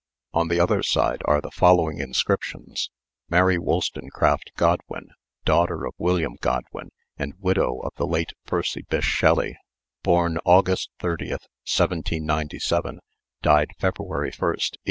On the other side are the following inscriptions: "Mary Wolstonecraft Godwin, daughter of William Godwin and widow of the late Percy Bysshe Shelley, born August 30th, 1797, died February 1st, 1851.